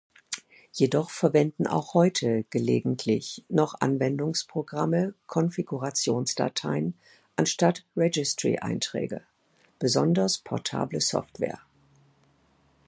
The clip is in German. Jedoch verwenden auch heute gelegentlich noch Anwendungsprogramme Konfigurationsdateien anstatt Registry-Einträge, besonders Portable Software.